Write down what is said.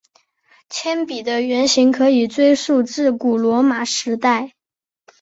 铅笔的原型可以追溯至古罗马时代。